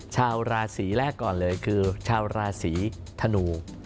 ชาวราศีแรกก่อนเลยคือชาวราศีธนู